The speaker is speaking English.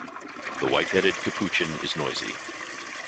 The white-headed capuchin is noisy.